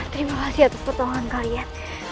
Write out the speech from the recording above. terima kasih atas potongan kalian